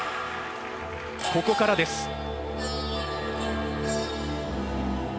ここからです。